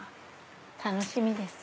楽しみです。